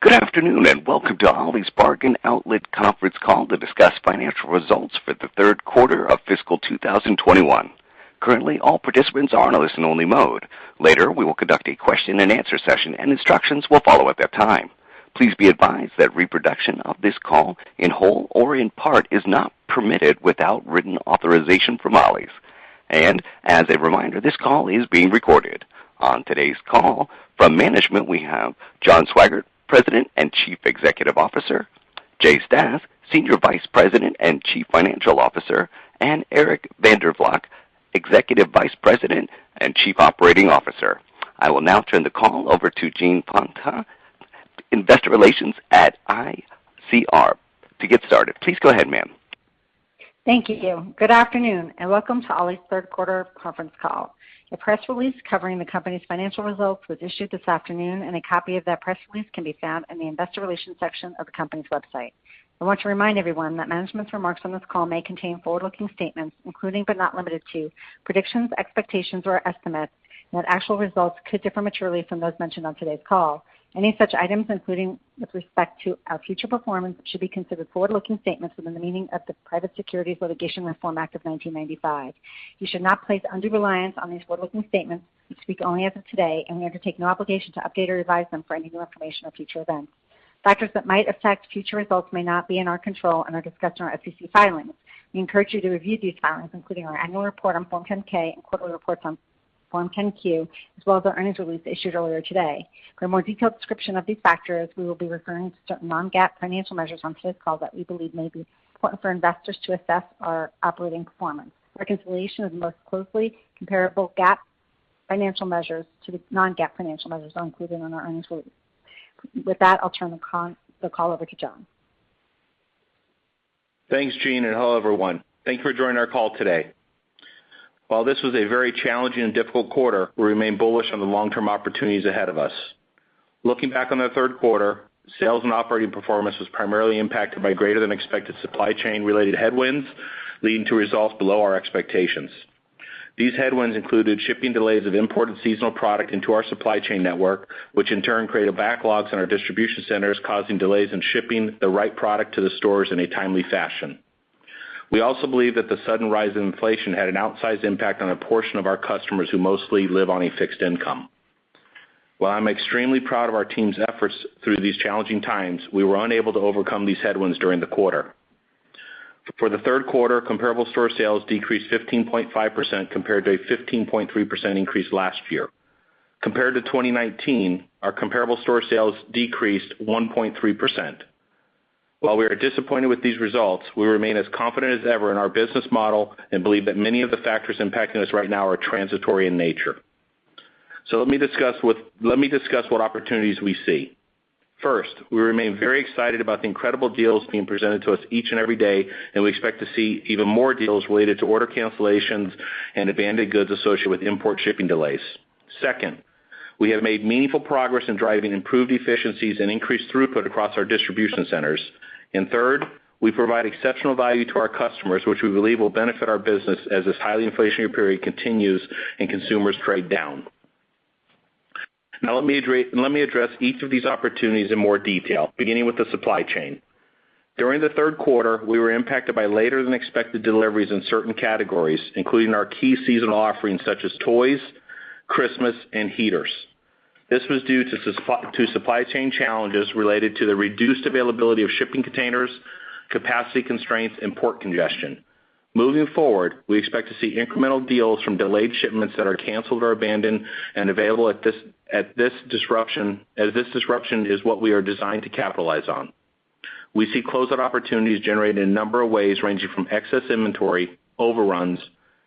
Good afternoon and welcome to Ollie's Bargain Outlet conference call to discuss financial results for the third quarter of fiscal 2021. Currently, all participants are in a listen only mode. Later, we will conduct a question and answer session, and instructions will follow at that time. Please be advised that reproduction of this call in whole or in part is not permitted without written authorization from Ollie's. As a reminder, this call is being recorded. On today's call from management, we have John Swygert, President and Chief Executive Officer, Jay Stasz, Senior Vice President and Chief Financial Officer, and Eric van der Valk, Executive Vice President and Chief Operating Officer. I will now turn the call over to Jean Fontana, Investor Relations at ICR to get started. Please go ahead, ma'am. Thank you. Good afternoon and welcome to Ollie's third quarter conference call. A press release covering the company's financial results was issued this afternoon, and a copy of that press release can be found in the investor relations section of the company's website. I want to remind everyone that management's remarks on this call may contain forward-looking statements, including but not limited to predictions, expectations, or estimates, and that actual results could differ materially from those mentioned on today's call. Any such items, including with respect to our future performance, should be considered forward-looking statements within the meaning of the Private Securities Litigation Reform Act of 1995. You should not place undue reliance on these forward-looking statements, which speak only as of today, and we undertake no obligation to update or revise them for any new information or future events. Factors that might affect future results may not be in our control and are discussed in our SEC filings. We encourage you to review these filings, including our annual report on Form 10-K and quarterly reports on Form 10-Q, as well as our earnings release issued earlier today. For a more detailed description of these factors, we will be referring to certain non-GAAP financial measures on today's call that we believe may be important for investors to assess our operating performance. Reconciliations of the most closely comparable GAAP financial measures to the non-GAAP financial measures are included in our earnings release. With that, I'll turn the call over to John. Thanks Jean and hello everyone. Thank you for joining our call today. While this was a very challenging and difficult quarter, we remain bullish on the long-term opportunities ahead of us. Looking back on the third quarter, sales and operating performance was primarily impacted by greater than expected supply chain related headwinds, leading to results below our expectations. These headwinds included shipping delays of imported seasonal product into our supply chain network, which in turn created backlogs in our distribution centers, causing delays in shipping the right product to the stores in a timely fashion. We also believe that the sudden rise in inflation had an outsized impact on a portion of our customers who mostly live on a fixed income. While I'm extremely proud of our team's efforts through these challenging times, we were unable to overcome these headwinds during the quarter. For the third quarter, comparable store sales decreased 15.5% compared to a 15.3% increase last year. Compared to 2019, our comparable store sales decreased 1.3%. While we are disappointed with these results, we remain as confident as ever in our business model and believe that many of the factors impacting us right now are transitory in nature. Let me discuss what opportunities we see. First, we remain very excited about the incredible deals being presented to us each and every day, and we expect to see even more deals related to order cancellations and abandoned goods associated with import shipping delays. Second, we have made meaningful progress in driving improved efficiencies and increased throughput across our distribution centers. Third, we provide exceptional value to our customers, which we believe will benefit our business as this highly inflationary period continues and consumers trade down. Now, let me address each of these opportunities in more detail, beginning with the supply chain. During the third quarter, we were impacted by later than expected deliveries in certain categories, including our key seasonal offerings such as toys, Christmas, and heaters. This was due to supply chain challenges related to the reduced availability of shipping containers, capacity constraints, and port congestion. Moving forward, we expect to see incremental deals from delayed shipments that are canceled or abandoned and available at this disruption as this disruption is what we are designed to capitalize on. We see closeout opportunities generated in a number of ways, ranging from excess inventory, overruns,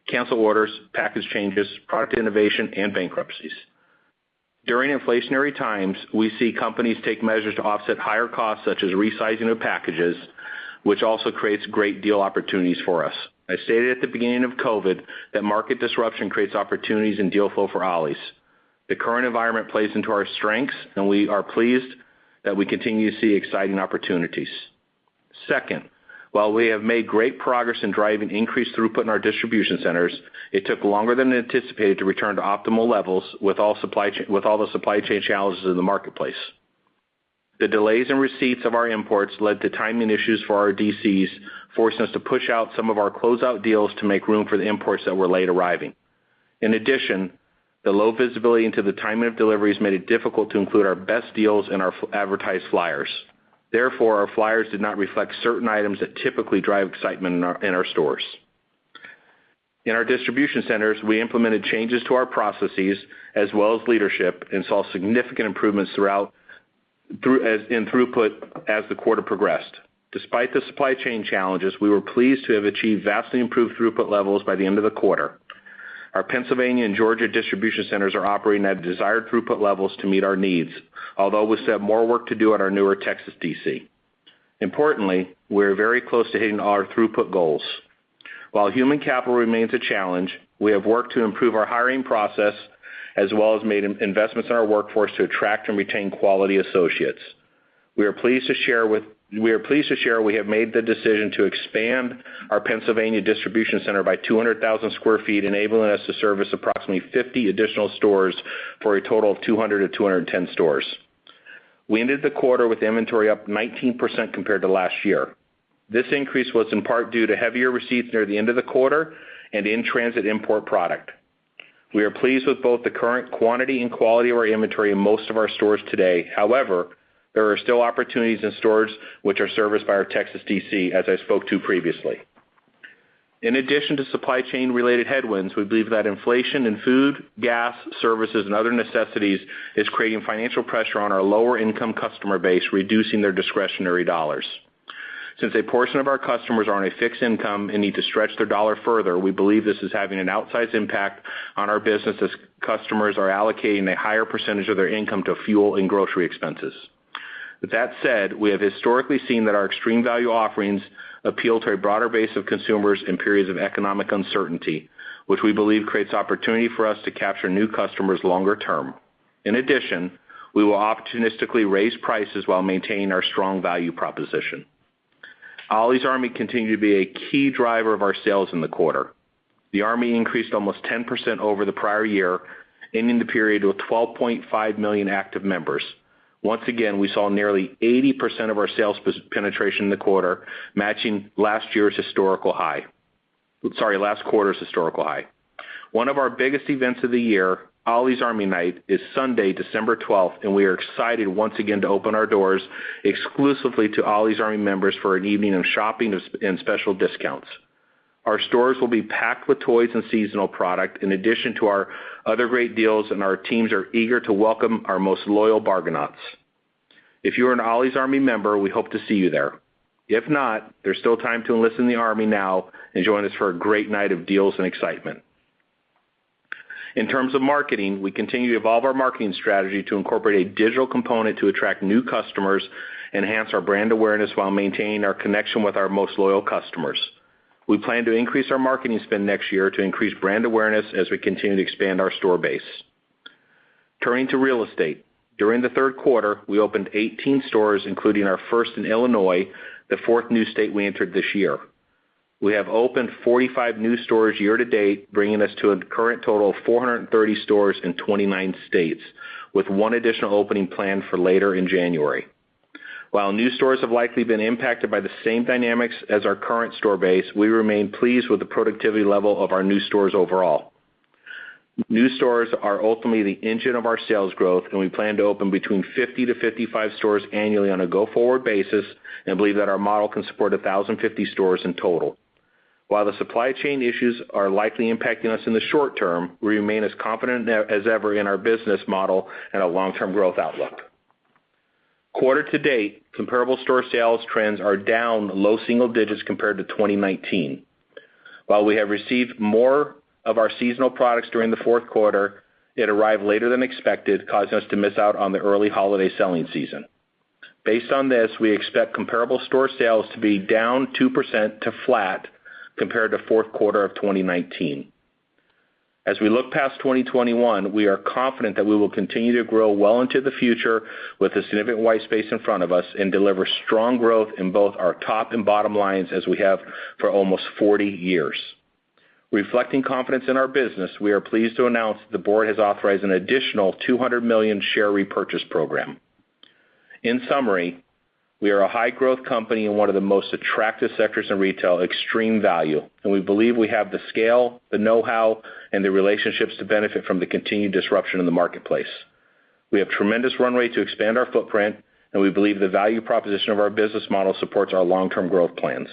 canceled orders, package changes, product innovation, and bankruptcies. During inflationary times, we see companies take measures to offset higher costs, such as resizing of packages, which also creates great deal opportunities for us. I stated at the beginning of COVID that market disruption creates opportunities and deal flow for Ollie's. The current environment plays into our strengths, and we are pleased that we continue to see exciting opportunities. Second, while we have made great progress in driving increased throughput in our distribution centers, it took longer than anticipated to return to optimal levels with all the supply chain challenges in the marketplace. The delays in receipts of our imports led to timing issues for our DCs, forcing us to push out some of our closeout deals to make room for the imports that were late arriving. In addition, the low visibility into the timing of deliveries made it difficult to include our best deals in our advertised flyers. Therefore, our flyers did not reflect certain items that typically drive excitement in our stores. In our distribution centers, we implemented changes to our processes as well as leadership and saw significant improvements in throughput as the quarter progressed. Despite the supply chain challenges, we were pleased to have achieved vastly improved throughput levels by the end of the quarter. Our Pennsylvania and Georgia distribution centers are operating at desired throughput levels to meet our needs. Although we still have more work to do at our newer Texas D.C., importantly, we're very close to hitting our throughput goals. While human capital remains a challenge, we have worked to improve our hiring process as well as made investments in our workforce to attract and retain quality associates. We are pleased to share we have made the decision to expand our Pennsylvania distribution center by 200,000 sq ft, enabling us to service approximately 50 additional stores for a total of 200-210 stores. We ended the quarter with inventory up 19% compared to last year. This increase was in part due to heavier receipts near the end of the quarter and in-transit import product. We are pleased with both the current quantity and quality of our inventory in most of our stores today. However, there are still opportunities in stores which are serviced by our Texas D.C., as I spoke to previously. In addition to supply chain related headwinds, we believe that inflation in food, gas, services and other necessities is creating financial pressure on our lower income customer base, reducing their discretionary dollars. Since a portion of our customers are on a fixed income and need to stretch their dollar further, we believe this is having an outsized impact on our business as customers are allocating a higher percentage of their income to fuel and grocery expenses. With that said, we have historically seen that our extreme value offerings appeal to a broader base of consumers in periods of economic uncertainty, which we believe creates opportunity for us to capture new customers longer term. In addition, we will opportunistically raise prices while maintaining our strong value proposition. Ollie's Army continued to be a key driver of our sales in the quarter. The Army increased almost 10% over the prior year, ending the period with 12.5 million active members. Once again, we saw nearly 80% of our sales penetration in the quarter, matching last year's historical high. Sorry, last quarter's historical high. One of our biggest events of the year, Ollie's Army Night, is Sunday, December twelfth, and we are excited once again to open our doors exclusively to Ollie's Army members for an evening of shopping and special discounts. Our stores will be packed with toys and seasonal product in addition to our other great deals, and our teams are eager to welcome our most loyal bargainauts. If you are an Ollie's Army member, we hope to see you there. If not, there's still time to enlist in the Army now and join us for a great night of deals and excitement. In terms of marketing, we continue to evolve our marketing strategy to incorporate a digital component to attract new customers, enhance our brand awareness while maintaining our connection with our most loyal customers. We plan to increase our marketing spend next year to increase brand awareness as we continue to expand our store base. Turning to real estate. During the third quarter, we opened 18 stores, including our first in Illinois, the fourth new state we entered this year. We have opened 45 new stores year to date, bringing us to a current total of 430 stores in 29 states, with one additional opening planned for later in January. While new stores have likely been impacted by the same dynamics as our current store base, we remain pleased with the productivity level of our new stores overall. New stores are ultimately the engine of our sales growth, and we plan to open between 50-55 stores annually on a go-forward basis and believe that our model can support 1,050 stores in total. While the supply chain issues are likely impacting us in the short term, we remain as confident as ever in our business model and a long-term growth outlook. Quarter to date, comparable store sales trends are down low single digits compared to 2019. While we have received more of our seasonal products during the fourth quarter, it arrived later than expected, causing us to miss out on the early holiday selling season. Based on this, we expect comparable store sales to be down 2% to flat compared to fourth quarter of 2019. As we look past 2021, we are confident that we will continue to grow well into the future with a significant white space in front of us and deliver strong growth in both our top and bottom lines as we have for almost 40 years. Reflecting confidence in our business, we are pleased to announce the board has authorized an additional $200 million share repurchase program. In summary, we are a high growth company in one of the most attractive sectors in retail, extreme value, and we believe we have the scale, the know-how, and the relationships to benefit from the continued disruption in the marketplace. We have tremendous runway to expand our footprint, and we believe the value proposition of our business model supports our long-term growth plans.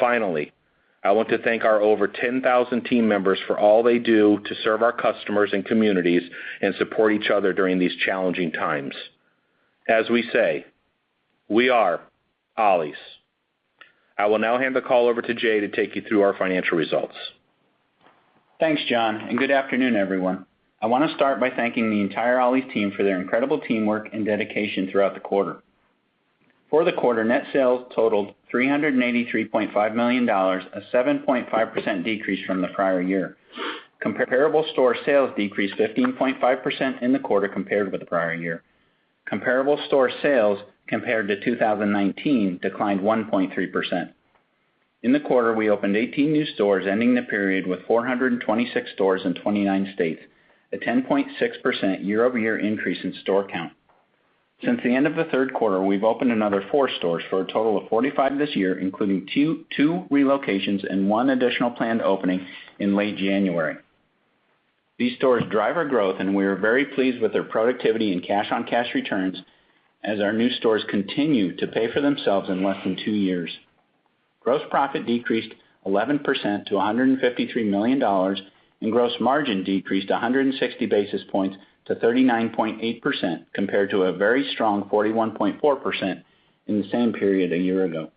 Finally, I want to thank our over 10,000 team members for all they do to serve our customers and communities and support each other during these challenging times. As we say, we are Ollie's. I will now hand the call over to Jay to take you through our financial results. Thanks John and good afternoon everyone. I want to start by thanking the entire Ollie's team for their incredible teamwork and dedication throughout the quarter. For the quarter, net sales totaled $383.5 million, a 7.5% decrease from the prior year. Comparable store sales decreased 15.5% in the quarter compared with the prior year. Comparable store sales compared to 2019 declined 1.3%. In the quarter, we opened 18 new stores, ending the period with 426 stores in 29 states, a 10.6% year-over-year increase in store count. Since the end of the third quarter, we've opened another 4 stores for a total of 45 this year, including two relocations and one additional planned opening in late January. These stores drive our growth, and we are very pleased with their productivity and cash-on-cash returns as our new stores continue to pay for themselves in less than two years. Gross profit decreased 11% to $153 million, and gross margin decreased 160 basis points to 39.8% compared to a very strong 41.4% in the same period a year ago.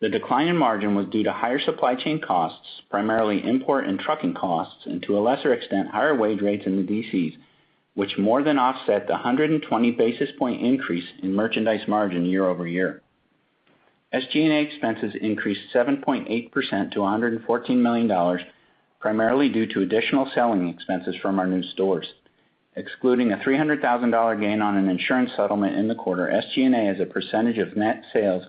The decline in margin was due to higher supply chain costs, primarily import and trucking costs, and to a lesser extent, higher wage rates in the DCs, which more than offset the 120 basis point increase in merchandise margin year over year. SG&A expenses increased 7.8% to $114 million, primarily due to additional selling expenses from our new stores. Excluding a $300,000 gain on an insurance settlement in the quarter, SG&A as a percentage of net sales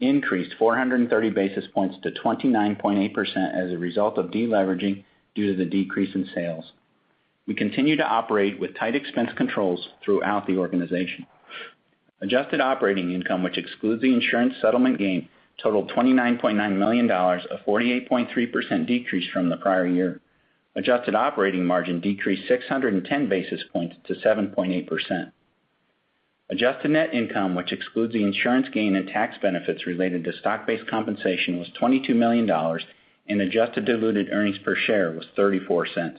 increased 430 basis points to 29.8% as a result of deleveraging due to the decrease in sales. We continue to operate with tight expense controls throughout the organization. Adjusted operating income, which excludes the insurance settlement gain, totaled $29.9 million, a 48.3% decrease from the prior year. Adjusted operating margin decreased 610 basis points to 7.8%. Adjusted net income, which excludes the insurance gain and tax benefits related to stock-based compensation, was $22 million, and adjusted diluted earnings per share was $0.34.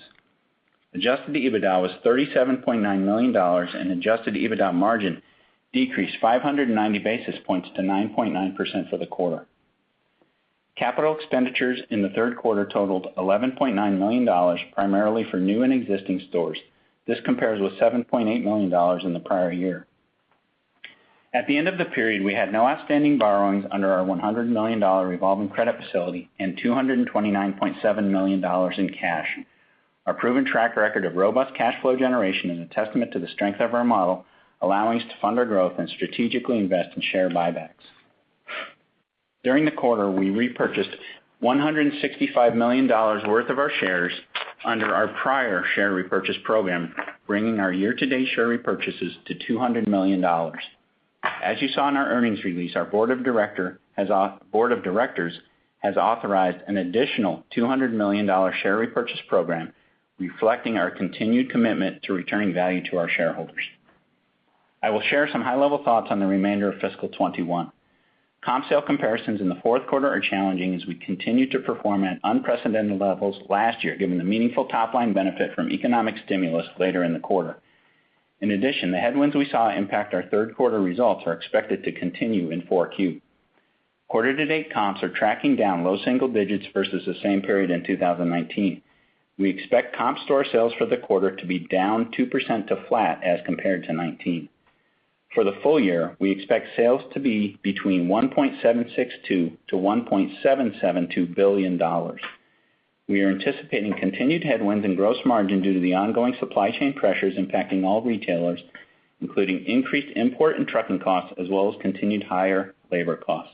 Adjusted EBITDA was $37.9 million, and Adjusted EBITDA margin decreased 590 basis points to 9.9% for the quarter. Capital expenditures in the third quarter totaled $11.9 million, primarily for new and existing stores. This compares with $7.8 million in the prior year. At the end of the period, we had no outstanding borrowings under our $100 million revolving credit facility and $229.7 million in cash. Our proven track record of robust cash flow generation is a testament to the strength of our model, allowing us to fund our growth and strategically invest in share buybacks. During the quarter, we repurchased $165 million worth of our shares under our prior share repurchase program, bringing our year-to-date share repurchases to $200 million. As you saw in our earnings release, our board of directors has authorized an additional $200 million share repurchase program, reflecting our continued commitment to returning value to our shareholders. I will share some high-level thoughts on the remainder of fiscal 2021. Comp sale comparisons in the fourth quarter are challenging as we continue to perform at unprecedented levels last year, given the meaningful top-line benefit from economic stimulus later in the quarter. In addition, the headwinds we saw impact our third quarter results are expected to continue in Q4. Quarter to date comps are tracking down low single digits versus the same period in 2019. We expect comp store sales for the quarter to be down 2% to flat as compared to 2019. For the full year, we expect sales to be between $1.762 billion-$1.772 billion. We are anticipating continued headwinds in gross margin due to the ongoing supply chain pressures impacting all retailers, including increased import and trucking costs as well as continued higher labor costs.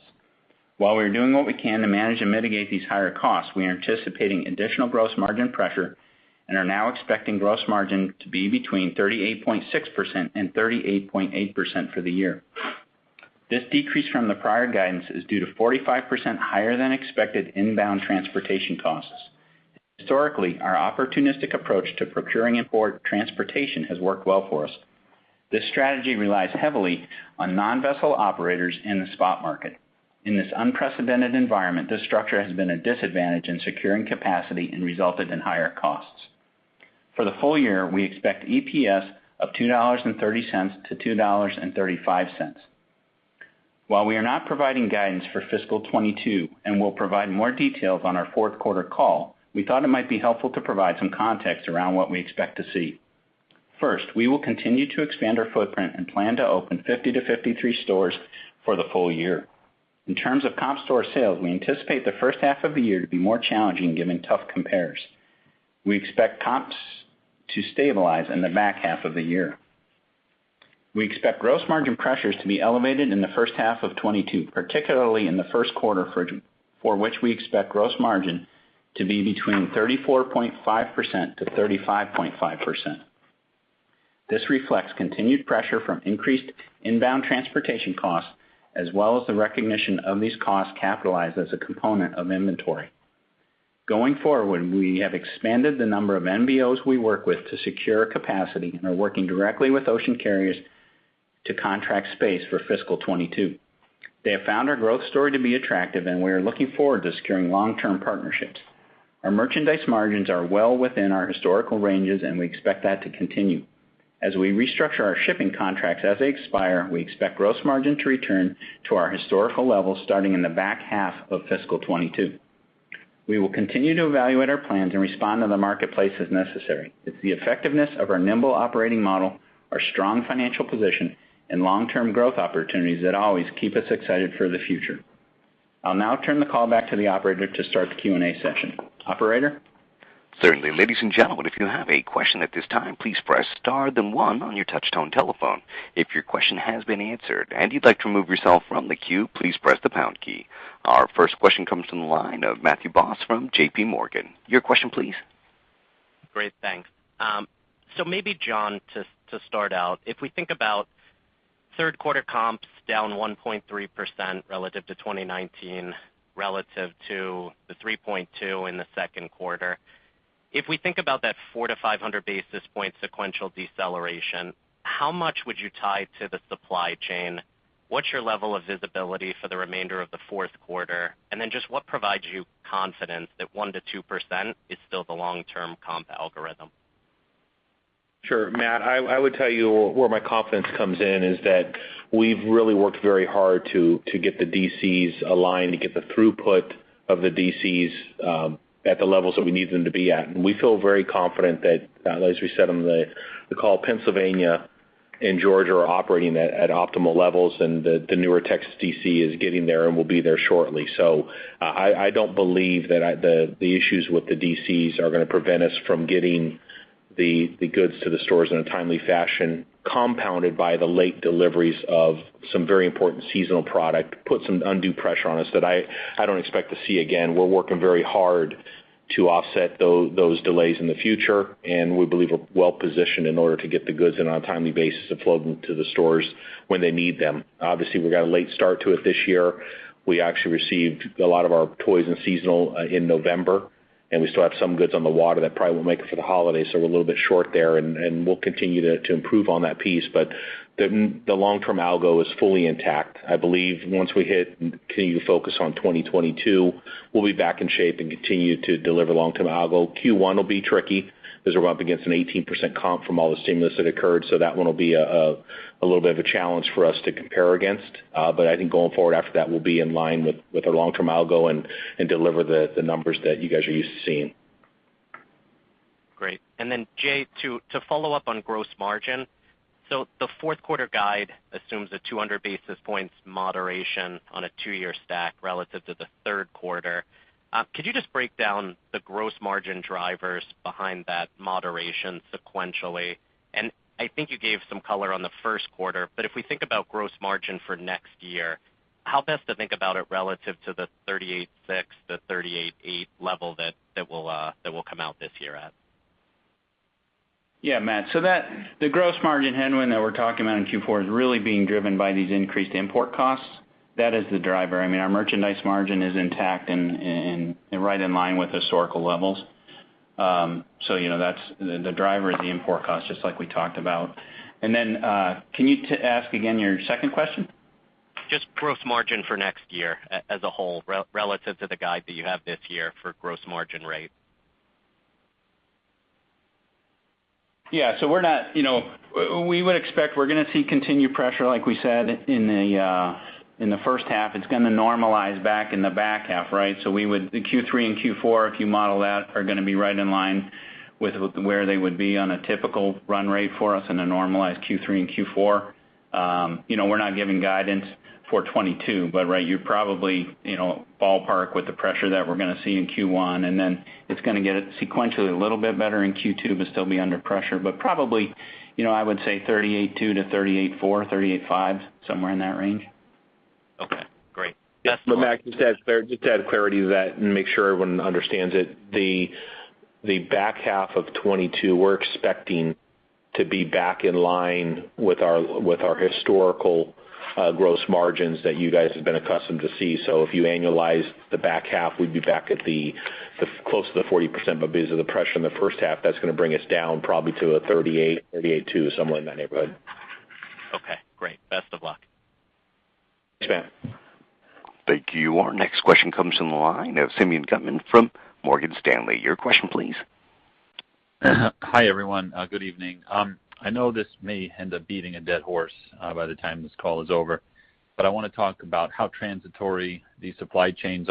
While we are doing what we can to manage and mitigate these higher costs, we are anticipating additional gross margin pressure and are now expecting gross margin to be between 38.6%-38.8% for the year. This decrease from the prior guidance is due to 45% higher than expected inbound transportation costs. Historically, our opportunistic approach to procuring import transportation has worked well for us. This strategy relies heavily on non-vessel operators in the spot market. In this unprecedented environment, this structure has been a disadvantage in securing capacity and resulted in higher costs. For the full year, we expect EPS of $2.30-$2.35. While we are not providing guidance for fiscal 2022 and will provide more details on our fourth quarter call, we thought it might be helpful to provide some context around what we expect to see. First, we will continue to expand our footprint and plan to open 50-53 stores for the full year. In terms of comp store sales, we anticipate the first half of the year to be more challenging given tough compares. We expect comps to stabilize in the back half of the year. We expect gross margin pressures to be elevated in the first half of 2022, particularly in the first quarter for which we expect gross margin to be between 34.5%-35.5%. This reflects continued pressure from increased inbound transportation costs as well as the recognition of these costs capitalized as a component of inventory. Going forward, we have expanded the number of NVOs we work with to secure capacity and are working directly with ocean carriers to contract space for fiscal 2022. They have found our growth story to be attractive, and we are looking forward to securing long-term partnerships. Our merchandise margins are well within our historical ranges, and we expect that to continue. As we restructure our shipping contracts as they expire, we expect gross margin to return to our historical levels starting in the back half of fiscal 2022. We will continue to evaluate our plans and respond to the marketplace as necessary. It's the effectiveness of our nimble operating model, our strong financial position, and long-term growth opportunities that always keep us excited for the future. I'll now turn the call back to the operator to start the Q&A session. Operator? Certainly. Ladies and gentlemen, if you have a question at this time, please press star then one on your touchtone telephone. If your question has been answered and you'd like to remove yourself from the queue, please press the pound key. Our first question comes from the line of Matthew Boss from JP Morgan. Your question please. Great thanks, maybe John to start out, If we think about third quarter comps down 1.3% relative to 2019, relative to the 3.2 in the second quarter, if we think about that 400 to 500 basis point sequential deceleration, how much would you tie to the supply chain? What's your level of visibility for the remainder of the fourth quarter? And then just what provides you confidence that 1% to 2% is still the long-term comp algorithm? Sure, Matt. I would tell you where my confidence comes in is that we've really worked very hard to get the DCs aligned, to get the throughput of the DCs at the levels that we need them to be at. We feel very confident that as we said on the call, Pennsylvania Georgia are operating at optimal levels, and the newer Texas D.C. is getting there and will be there shortly. I don't believe that the issues with the DCs are gonna prevent us from getting the goods to the stores in a timely fashion, compounded by the late deliveries of some very important seasonal product, put some undue pressure on us that I don't expect to see again. We're working very hard to offset those delays in the future, and we believe we're well-positioned in order to get the goods in on a timely basis to flow them to the stores when they need them. Obviously, we got a late start to it this year. We actually received a lot of our toys and seasonal in November, and we still have some goods on the water that probably won't make it for the holidays, so we're a little bit short there, and we'll continue to improve on that piece. The long-term algo is fully intact. I believe once we hit and continue to focus on 2022, we'll be back in shape and continue to deliver long-term algo. Q1 will be tricky as we're up against an 18% comp from all the stimulus that occurred, so that one will be a little bit of a challenge for us to compare against. I think going forward after that, we'll be in line with our long-term algo and deliver the numbers that you guys are used to seeing. Great. Then Jay, to follow up on gross margin. The fourth quarter guide assumes a 200 basis points moderation on a two-year stack relative to the third quarter. Could you just break down the gross margin drivers behind that moderation sequentially? I think you gave some color on the first quarter, but if we think about gross margin for next year, how best to think about it relative to the 38.6%, the 38.8% level that will come out this year at? Yeah Matt. The gross margin headwind that we're talking about in Q4 is really being driven by these increased import costs. That is the driver. I mean, our merchandise margin is intact and right in line with historical levels. You know, that's. The driver is the import cost, just like we talked about. Can you ask again your second question? Just gross margin for next year as a whole relative to the guide that you have this year for gross margin rate? You know, we would expect we're gonna see continued pressure, like we said, in the first half. It's gonna normalize back in the back half, right? Q3 and Q4, if you model that, are gonna be right in line with where they would be on a typical run rate for us in a normalized Q3 and Q4. You know, we're not giving guidance for 2022, but right, you probably, you know, ballpark with the pressure that we're gonna see in Q1, and then it's gonna get sequentially a little bit better in Q2, but still be under pressure. Probably, you know, I would say 38.2%-38.4%, 38.5%, somewhere in that range. Okay great. Yeah. Matt, just to add clarity to that and make sure everyone understands it, the back half of 2022, we're expecting to be back in line with our historical gross margins that you guys have been accustomed to see. If you annualize the back half, we'd be back at close to the 40%. Because of the pressure in the first half, that's gonna bring us down probably to a 38%-38.2%, somewhere in that neighborhood. Okay, great. Best of luck. Thanks Matt. Thank you. Our next question comes from the line of Simeon Gutman from Morgan Stanley. Your question, please. Hi, everyone. Good evening. I know this may end up beating a dead horse by the time this call is over, but I wanna talk about how transitory the supply chain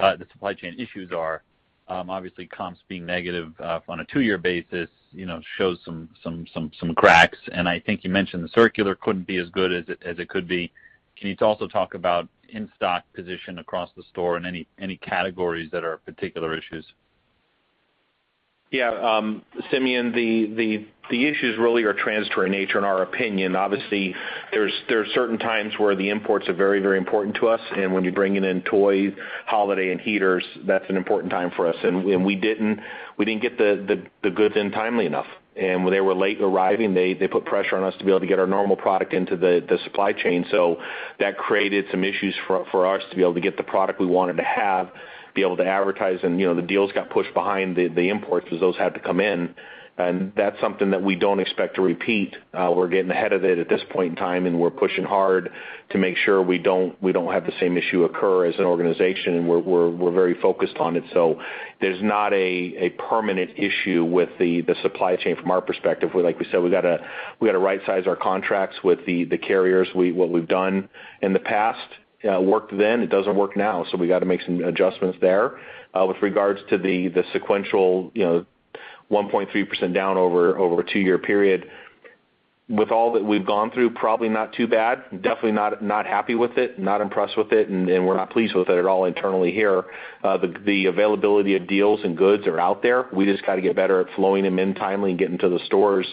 issues are. Obviously comps being negative on a two-year basis, you know, shows some cracks. I think you mentioned the circular couldn't be as good as it could be. Can you also talk about in-stock position across the store and any categories that are particular issues? Yeah. Simeon, the issues really are transitory in nature, in our opinion. Obviously, there's certain times where the imports are very important to us. When you're bringing in toys, holiday, and heaters, that's an important time for us. We didn't get the goods in timely enough. When they were late arriving, they put pressure on us to be able to get our normal product into the supply chain. So that created some issues for us to be able to get the product we wanted to have, be able to advertise, and, you know, the deals got pushed behind the imports as those had to come in. That's something that we don't expect to repeat. We're getting ahead of it at this point in time, and we're pushing hard to make sure we don't have the same issue occur as an organization. We're very focused on it. So there's not a permanent issue with the supply chain from our perspective. Like we said, we gotta rightsize our contracts with the carriers. What we've done in the past worked then. It doesn't work now. So we gotta make some adjustments there. With regards to the sequential, you know, 1.3% down over a two-year period, with all that we've gone through, probably not too bad. Definitely not happy with it, not impressed with it, and we're not pleased with it at all internally here. The availability of deals and goods are out there. We just gotta get better at flowing them in timely and getting to the stores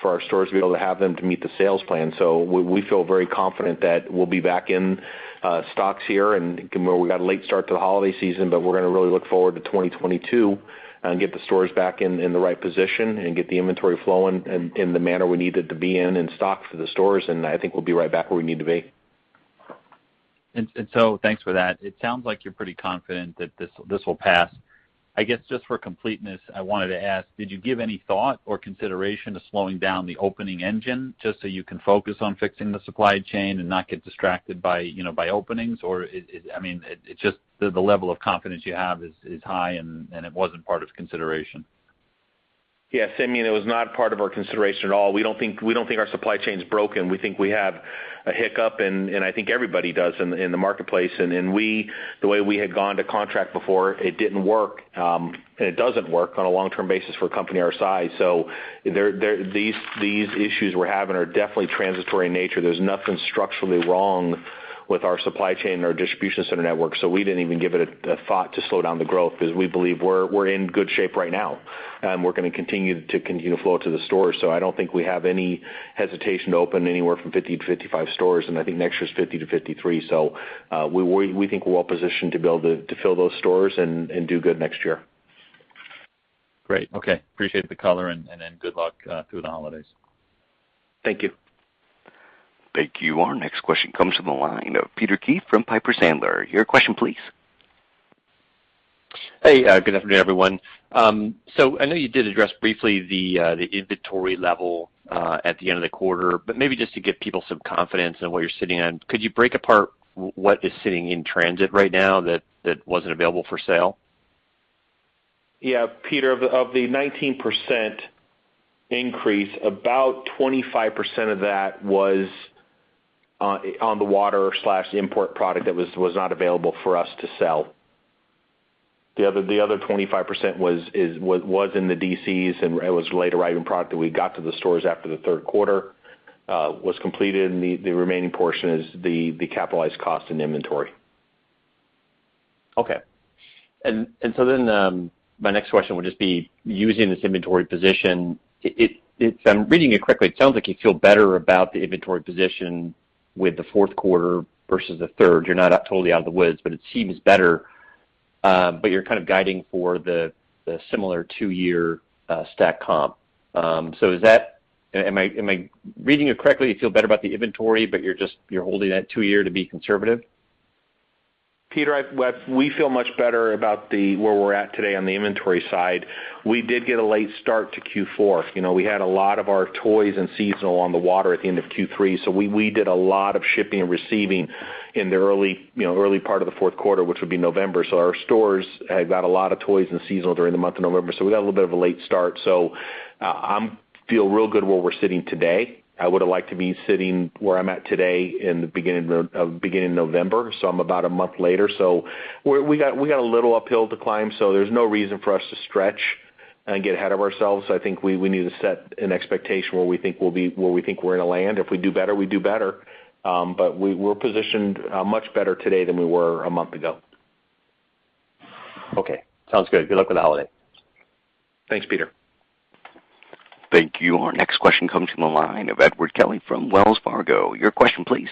for our stores to be able to have them to meet the sales plan. We feel very confident that we'll be back in stocks here and where we got a late start to the holiday season, but we're gonna really look forward to 2022 and get the stores back in the right position and get the inventory flowing in the manner we need it to be in stock for the stores. I think we'll be right back where we need to be. Thanks for that. It sounds like you're pretty confident that this will pass. I guess just for completeness, I wanted to ask, did you give any thought or consideration to slowing down the opening engine just so you can focus on fixing the supply chain and not get distracted by, you know, by openings? Or I mean, it just the level of confidence you have is high, and it wasn't part of consideration. Yeah, Simeon, it was not part of our consideration at all. We don't think our supply chain is broken. We think we have a hiccup, and I think everybody does in the marketplace. The way we had gone to contract before, it didn't work, and it doesn't work on a long-term basis for a company our size. These issues we're having are definitely transitory in nature. There's nothing structurally wrong with our supply chain and our distribution center network. We didn't even give it a thought to slow down the growth because we believe we're in good shape right now. We're gonna continue to flow to the store. I don't think we have any hesitation to open anywhere from 50-55 stores, and I think next year is 50-53. We think we're well positioned to fill those stores and do good next year. Great. Okay. Appreciate the color and good luck through the holidays. Thank you. Thank you. Our next question comes from the line of Peter Keith from Piper Sandler. Your question please. Hey, good afternoon everyone. I know you did address briefly the inventory level at the end of the quarter, but maybe just to give people some confidence in what you're sitting on, could you break apart what is sitting in transit right now that wasn't available for sale? Yeah. Peter of the 19% increase, about 25% of that was on the water/import product that was not available for us to sell. The other 25% was in the DCs and it was late arriving product that we got to the stores after the third quarter was completed, and the remaining portion is the capitalized cost and inventory. My next question would just be using this inventory position. If I'm reading it correctly, it sounds like you feel better about the inventory position with the fourth quarter versus the third. You're not totally out of the woods, but it seems better, but you're kind of guiding for the similar two-year stack comp. Am I reading it correctly, you feel better about the inventory, but you're just holding that two-year to be conservative? Peter, we feel much better about where we're at today on the inventory side. We did get a late start to Q4. You know, we had a lot of our toys and seasonal on the water at the end of Q3, so we did a lot of shipping and receiving in the early, you know, part of the fourth quarter, which would be November. Our stores had got a lot of toys and seasonal during the month of November, so we got a little bit of a late start. I feel real good where we're sitting today. I would have liked to be sitting where I'm at today in the beginning of November, so I'm about a month later. We got a little uphill to climb, so there's no reason for us to stretch and get ahead of ourselves. I think we need to set an expectation where we think we're gonna land. If we do better, we do better. We're positioned much better today than we were a month ago. Okay. Sounds good. Good luck with the holiday. Thanks Peter. Thank you. Our next question comes from the line of Edward Kelly from Wells Fargo. Your question please.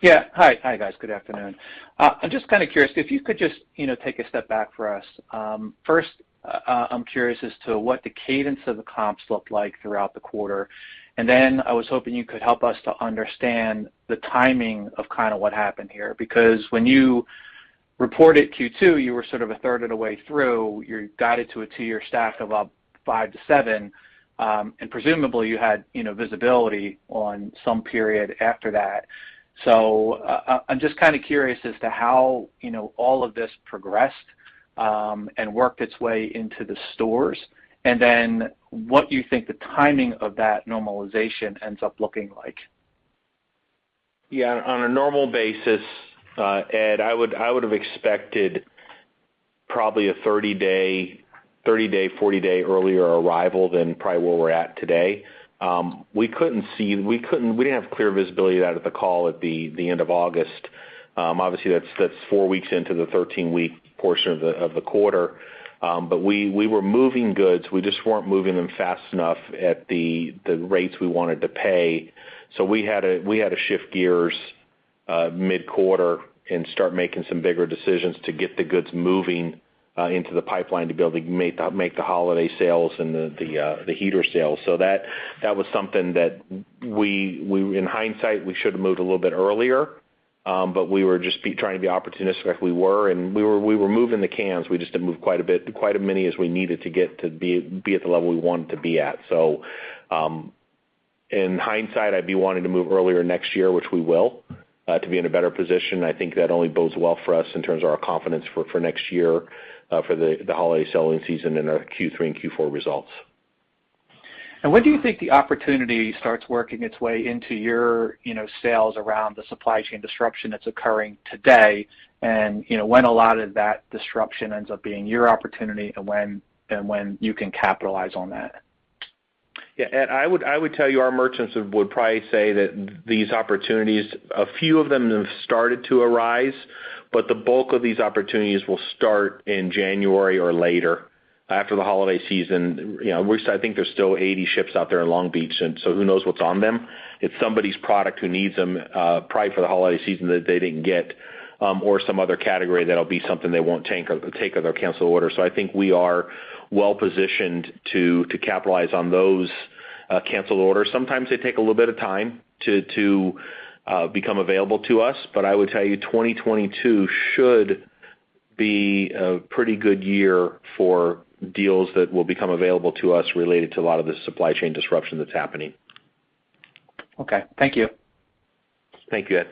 Yeah. Hi. Hi, guys. Good afternoon. I'm just kind of curious if you could just, you know, take a step back for us. First, I'm curious as to what the cadence of the comps looked like throughout the quarter. I was hoping you could help us to understand the timing of kind of what happened here. Because when you reported Q2, you were sort of a third of the way through, you guided to a two-year stack of 5%-7%. Presumably you had, you know, visibility on some period after that. I'm just kind of curious as to how, you know, all of this progressed, and worked its way into the stores. What do you think the timing of that normalization ends up looking like? Yeah. On a normal basis, Ed, I would have expected probably a 30-day, 40-day earlier arrival than probably where we're at today. We didn't have clear visibility of that at the call at the end of August. Obviously, that's four weeks into the 13-week portion of the quarter. We were moving goods. We just weren't moving them fast enough at the rates we wanted to pay. We had to shift gears mid-quarter and start making some bigger decisions to get the goods moving into the pipeline to be able to make the holiday sales and the heater sales. That was something that we in hindsight should have moved a little bit earlier, but we were just trying to be opportunistic like we were, and we were moving the cans. We just didn't move quite as many as we needed to get to be at the level we wanted to be at. In hindsight, I'd be wanting to move earlier next year, which we will, to be in a better position. I think that only bodes well for us in terms of our confidence for next year, for the holiday selling season and our Q3 and Q4 results. When do you think the opportunity starts working its way into your, you know, sales around the supply chain disruption that's occurring today? You know, when a lot of that disruption ends up being your opportunity and when you can capitalize on that? Yeah. Ed, I would tell you, our merchants would probably say that these opportunities, a few of them have started to arise, but the bulk of these opportunities will start in January or later after the holiday season. You know, I think there's still 80 ships out there in Long Beach, and so who knows what's on them. It's somebody's product who needs them, probably for the holiday season that they didn't get, or some other category that'll be something they won't take or they'll cancel orders. So I think we are well-positioned to capitalize on those canceled orders. Sometimes they take a little bit of time to become available to us, but I would tell you 2022 should be a pretty good year for deals that will become available to us related to a lot of the supply chain disruption that's happening. Okay. Thank you. Thank you Ed.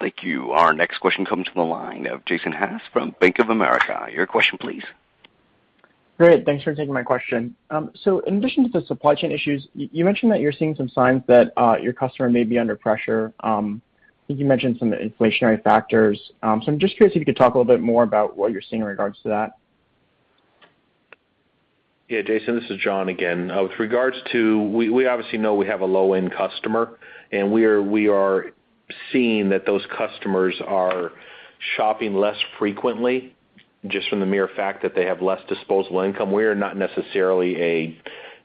Thank you. Our next question comes from the line of Jason Haas from Bank of America. Your question please. Great. Thanks for taking my question. In addition to the supply chain issues, you mentioned that you're seeing some signs that your customer may be under pressure. I think you mentioned some inflationary factors. I'm just curious if you could talk a little bit more about what you're seeing in regards to that? Yeah, Jason, this is John again. We obviously know we have a low-end customer, and we are seeing that those customers are shopping less frequently just from the mere fact that they have less disposable income. We are not necessarily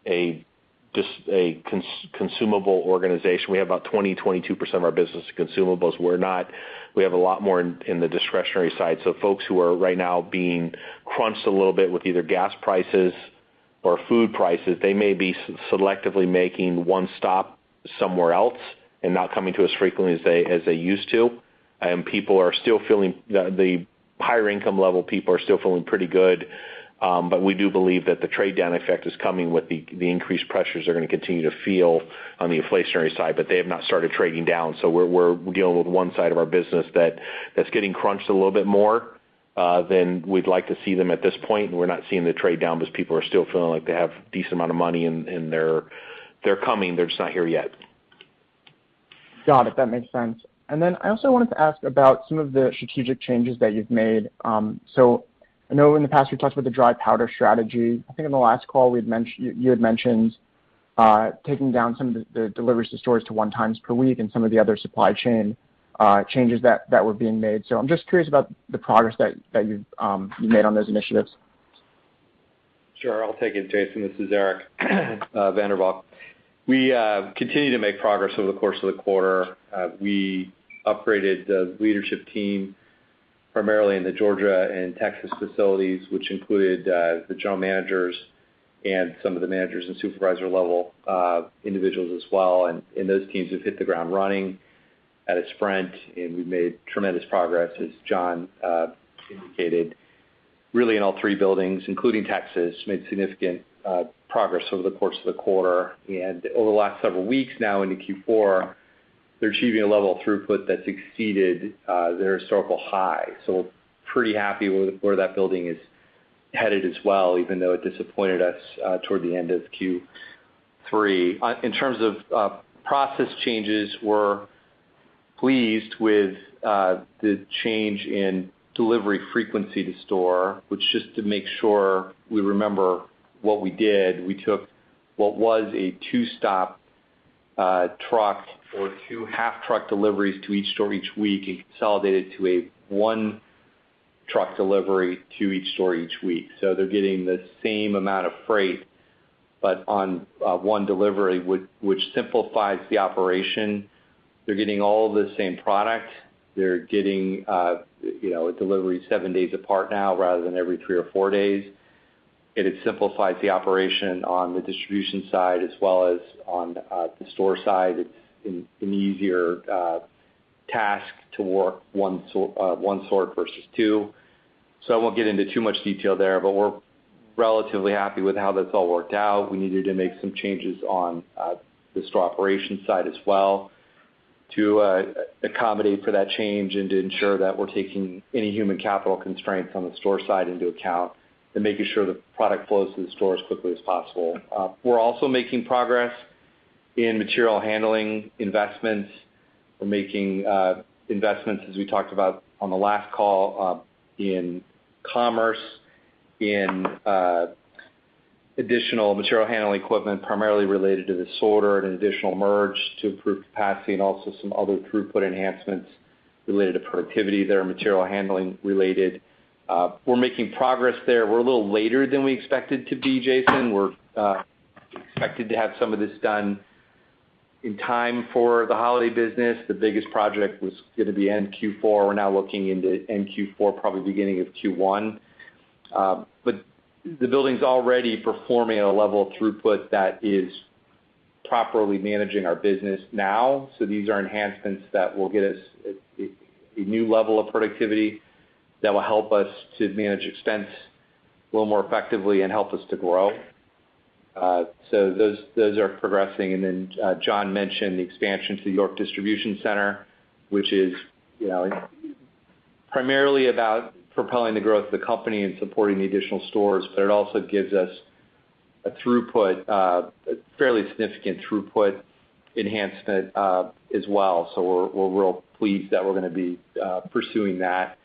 a consumable organization. We have about 22% of our business is consumables. We have a lot more in the discretionary side. Folks who are right now being crunched a little bit with either gas prices or food prices may be selectively making one stop somewhere else and not coming to us frequently as they used to. Higher income level people are still feeling pretty good, but we do believe that the trade down effect is coming with the increased pressures they're gonna continue to feel on the inflationary side, but they have not started trading down. We're dealing with one side of our business that's getting crunched a little bit more than we'd like to see them at this point, and we're not seeing the trade down because people are still feeling like they have decent amount of money and they're coming, they're just not here yet. Got it. That makes sense. I also wanted to ask about some of the strategic changes that you've made. I know in the past you talked about the dry powder strategy. I think on the last call you had mentioned taking down some of the deliveries to stores to 1 time per week and some of the other supply chain changes that were being made. I'm just curious about the progress that you've made on those initiatives. Sure. I'll take it, Jason. This is Eric van der Valk. We continue to make progress over the course of the quarter. We upgraded the leadership team primarily in the Georgia and Texas facilities, which included the general managers and some of the managers and supervisor level individuals as well. Those teams have hit the ground running at a sprint, and we've made tremendous progress, as John indicated, really in all three buildings, including Texas, made significant progress over the course of the quarter. Over the last several weeks now into Q4, they're achieving a level of throughput that's exceeded their historical high. Pretty happy with where that building is headed as well, even though it disappointed us toward the end of Q3. In terms of process changes, we're pleased with the change in delivery frequency to store, which just to make sure we remember what we did, we took what was a two-stop truck or two half-truck deliveries to each store each week and consolidated to a one-truck delivery to each store each week. They're getting the same amount of freight, but on one delivery which simplifies the operation. They're getting all the same product. They're getting, you know, a delivery seven days apart now rather than every three or four days. It simplifies the operation on the distribution side as well as on the store side. It's an easier task to work one sort versus two. I won't get into too much detail there, but we're relatively happy with how that's all worked out. We needed to make some changes on the store operation side as well to accommodate for that change and to ensure that we're taking any human capital constraints on the store side into account and making sure the product flows through the store as quickly as possible. We're also making progress in material handling investments. We're making investments, as we talked about on the last call, in Commerce in additional material handling equipment, primarily related to the sorter and an additional merge to improve capacity and also some other throughput enhancements related to productivity that are material handling related. We're making progress there. We're a little later than we expected to be, Jason. We're expected to have some of this done in time for the holiday business. The biggest project was gonna be end Q4. We're now looking into end Q4, probably beginning of Q1. The building's already performing at a level of throughput that is properly managing our business now. These are enhancements that will get us a new level of productivity that will help us to manage expense a little more effectively and help us to grow. Those are progressing. Then John mentioned the expansion to the York distribution center, which is, you know, primarily about propelling the growth of the company and supporting the additional stores. It also gives us a throughput, a fairly significant throughput enhancement, as well. We're real pleased that we're gonna be pursuing that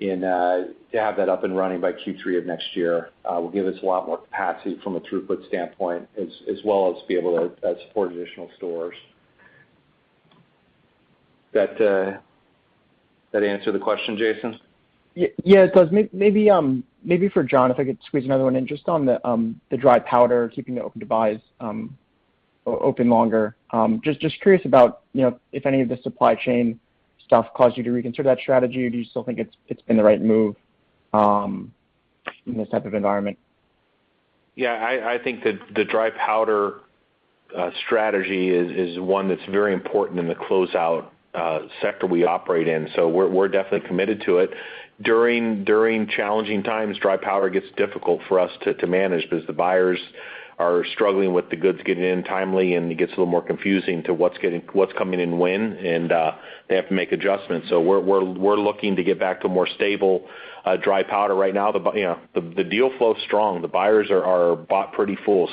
and to have that up and running by Q3 of next year will give us a lot more capacity from a throughput standpoint as well as be able to support additional stores. Does that answer the question, Jason? Yeah, it does. Maybe for John, if I could squeeze another one in just on the dry powder, keeping the open-to-buys open longer. Just curious about, you know, if any of the supply chain stuff caused you to reconsider that strategy, or do you still think it's been the right move in this type of environment? I think the dry powder strategy is one that's very important in the closeout sector we operate in. We're definitely committed to it. During challenging times, dry powder gets difficult for us to manage because the buyers are struggling with the goods getting in timely, and it gets a little more confusing to what's coming in when, and they have to make adjustments. We're looking to get back to a more stable dry powder right now. You know, the deal flow is strong. The buyers are bought pretty full.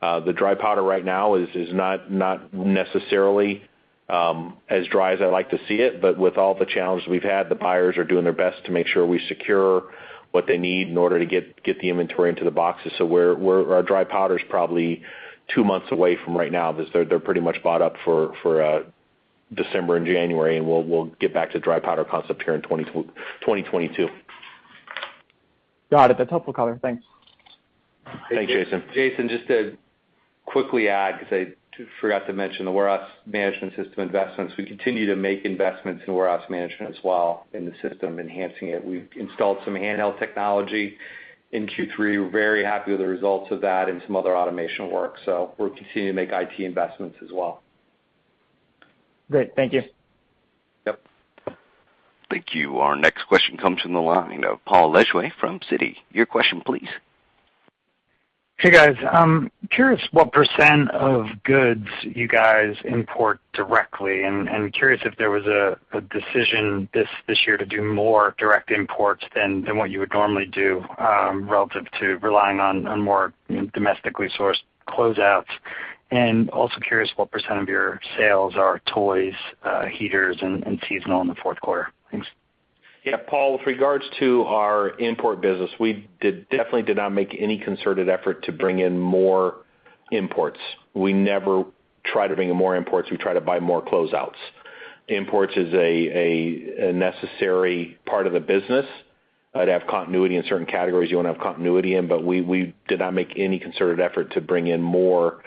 The dry powder right now is not necessarily as dry as I like to see it, but with all the challenges we've had, the buyers are doing their best to make sure we secure what they need in order to get the inventory into the boxes. Our dry powder is probably two months away from right now. They're pretty much bought up for December and January, and we'll get back to dry powder concept here in 2022. Got it. That's helpful color. Thanks. Thanks Jason. Jason, just to quickly add, 'cause I forgot to mention the warehouse management system investments. We continue to make investments in warehouse management as well in the system, enhancing it. We've installed some handheld technology in Q3. We're very happy with the results of that and some other automation work. We're continuing to make IT investments as well. Great. Thank you. Yep. Thank you. Our next question comes from the line of Paul Lejuez from Citi. Your question please. Hey, guys. I'm curious what percent of goods you guys import directly, and I'm curious if there was a decision this year to do more direct imports than what you would normally do, relative to relying on more domestically sourced closeouts. Also curious what percent of your sales are toys, heaters and seasonal in the fourth quarter? Thanks. Yeah, Paul, with regards to our import business, we definitely did not make any concerted effort to bring in more imports. We never try to bring in more imports, we try to buy more closeouts. Imports is a necessary part of the business. I'd have continuity in certain categories you wanna have continuity in, but we did not make any concerted effort to bring in more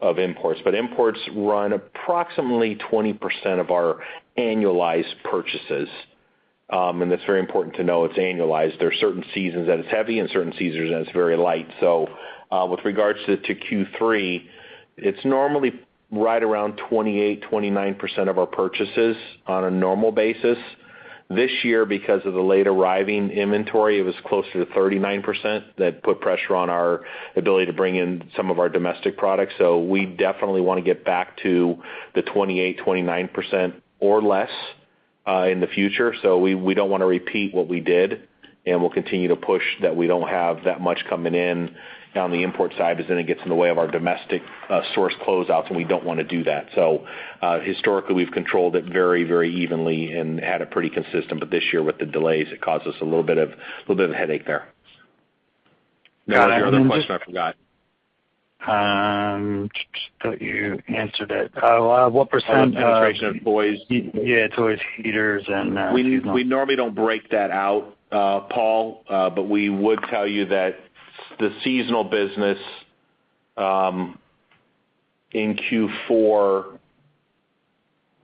of imports. Imports run approximately 20% of our annualized purchases, and that's very important to know it's annualized. There are certain seasons that it's heavy and certain seasons that it's very light. With regards to Q3, it's normally right around 28%-29% of our purchases on a normal basis. This year, because of the late arriving inventory, it was closer to 39% that put pressure on our ability to bring in some of our domestic products. We definitely wanna get back to the 28%, 29% or less in the future. We don't wanna repeat what we did, and we'll continue to push that we don't have that much coming in on the import side, because then it gets in the way of our domestic source closeouts, and we don't wanna do that. Historically, we've controlled it very, very evenly and had it pretty consistent. This year with the delays, it caused us a little bit of a headache there. Got it. The other question I forgot. Thought you answered it. What percent of- Penetration of toys. Yeah, toys, heaters, and seasonal. We normally don't break that out, Paul, but we would tell you that the seasonal business in Q4,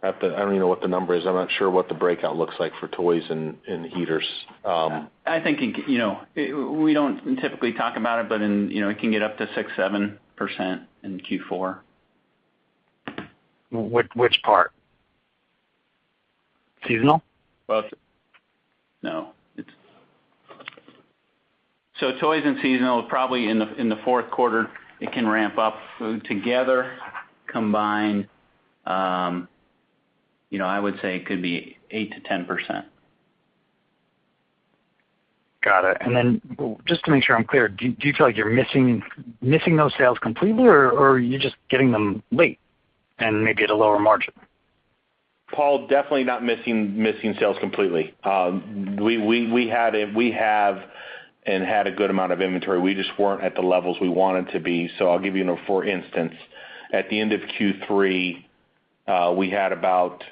I don't even know what the number is. I'm not sure what the breakout looks like for toys and heaters. I think, you know, we don't typically talk about it, but in, you know, it can get up to 6%-7% in Q4. Which part? Seasonal? Both. No, toys and seasonal, probably in the fourth quarter, it can ramp up together, combined, you know, I would say could be 8%-10%. Got it. Just to make sure I'm clear, do you feel like you're missing those sales completely, or you're just getting them late and maybe at a lower margin? Paul, definitely not missing sales completely. We have and had a good amount of inventory. We just weren't at the levels we wanted to be. I'll give you, for instance, at the end of Q3, we had about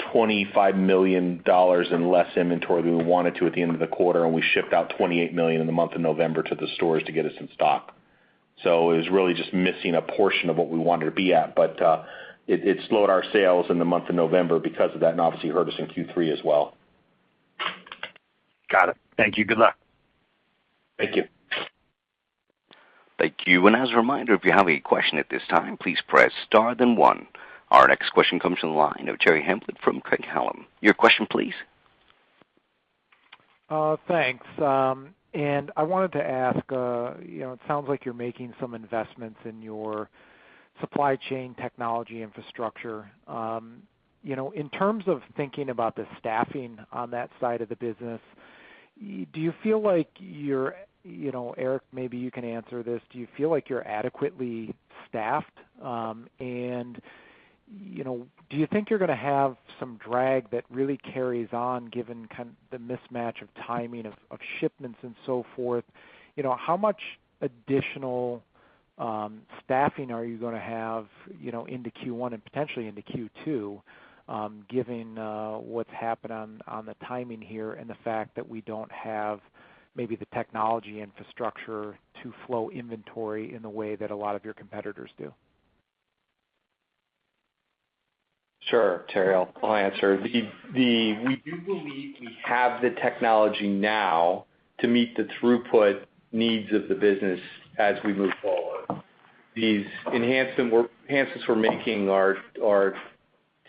$25 million in less inventory than we wanted to at the end of the quarter, and we shipped out $28 million in the month of November to the stores to get us in stock. It was really just missing a portion of what we wanted to be at. It slowed our sales in the month of November because of that, and obviously you heard us in Q3 as well. Got it. Thank you. Good luck. Thank you. Thank you. As a reminder, if you have a question at this time, please press star then one. Our next question comes from the line of Jeremy Hamblin from Craig-Hallum. Your question please. Thanks. I wanted to ask, you know, it sounds like you're making some investments in your supply chain technology infrastructure. You know, in terms of thinking about the staffing on that side of the business, Eric, maybe you can answer this. Do you feel like you're adequately staffed? You know, do you think you're gonna have some drag that really carries on given the mismatch of timing of shipments and so forth? You know, how much additional staffing are you gonna have, you know, into Q1 and potentially into Q2, given what's happened on the timing here and the fact that we don't have maybe the technology infrastructure to flow inventory in the way that a lot of your competitors do? Sure, Jeremy Hamblin. I'll answer. We do believe we have the technology now to meet the throughput needs of the business as we move forward. These enhancements we're making are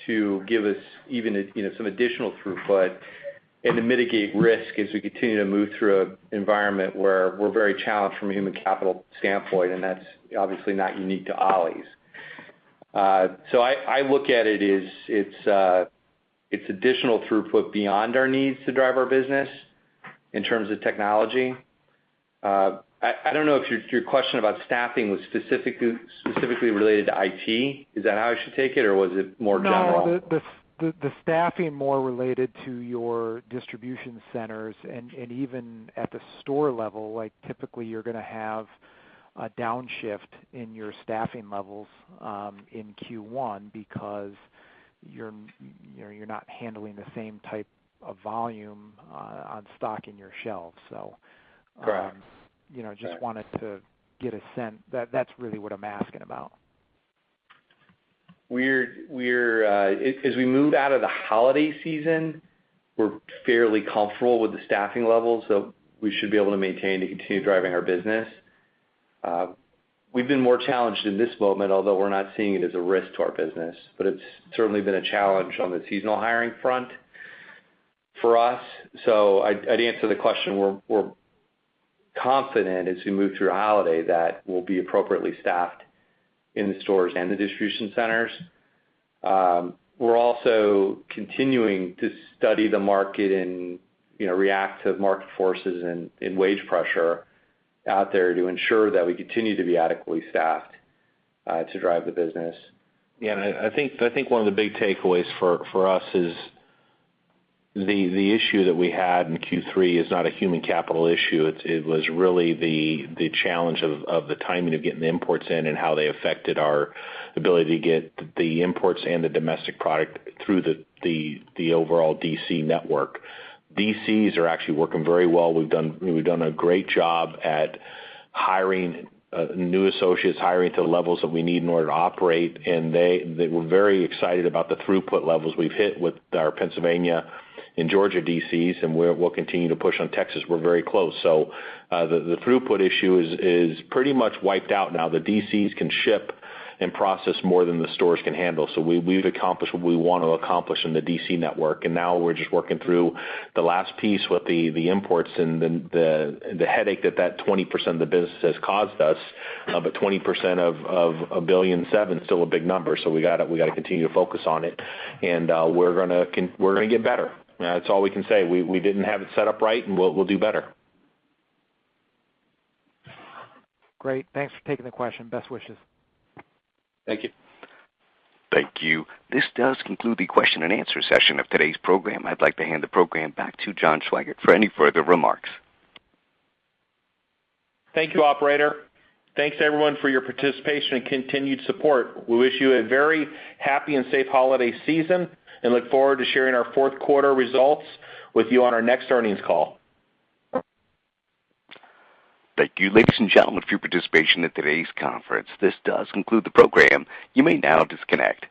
to give us even, you know, some additional throughput and to mitigate risk as we continue to move through an environment where we're very challenged from a human capital standpoint, and that's obviously not unique to Ollie's. So I look at it as it's additional throughput beyond our needs to drive our business in terms of technology. I don't know if your question about staffing was specifically related to IT. Is that how I should take it, or was it more general? No. The staffing more related to your distribution centers and even at the store level, like typically you're gonna have a downshift in your staffing levels in Q1 because you're not handling the same type of volume on stock in your shelves, so. Correct. You know, just wanted to get a sense. That, that's really what I'm asking about. As we move out of the holiday season, we're fairly comfortable with the staffing levels, so we should be able to maintain to continue driving our business. We've been more challenged in this moment, although we're not seeing it as a risk to our business, but it's certainly been a challenge on the seasonal hiring front for us. I'd answer the question, we're confident as we move through holiday that we'll be appropriately staffed in the stores and the distribution centers. We're also continuing to study the market and, you know, react to market forces and wage pressure out there to ensure that we continue to be adequately staffed to drive the business. Yeah. I think one of the big takeaways for us is the issue that we had in Q3 is not a human capital issue. It was really the challenge of the timing of getting the imports in and how they affected our ability to get the imports and the domestic product through the overall DC network. DCs are actually working very well. We've done a great job at hiring new associates, hiring to the levels that we need in order to operate, and we're very excited about the throughput levels we've hit with our Pennsylvania and Georgia DCs, and we'll continue to push on Texas. We're very close. The throughput issue is pretty much wiped out now. The DCs can ship and process more than the stores can handle. We've accomplished what we want to accomplish in the DC network, and now we're just working through the last piece with the imports and the headache that 20% of the business has caused us. But 20% of $1.7 billion is still a big number, so we gotta continue to focus on it and we're gonna get better. That's all we can say. We didn't have it set up right, and we'll do better. Great. Thanks for taking the question. Best wishes. Thank you. Thank you. This does conclude the question-and-answer session of today's program. I'd like to hand the program back to John Swygert for any further remarks. Thank you, operator. Thanks everyone for your participation and continued support. We wish you a very happy and safe holiday season and look forward to sharing our fourth quarter results with you on our next earnings call. Thank you, ladies and gentlemen, for your participation in today's conference. This does conclude the program. You may now disconnect.